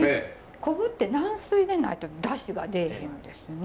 昆布って軟水でないとだしが出ぇへんのですね。